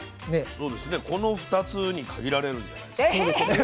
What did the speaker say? この２つに限られるんじゃないですか。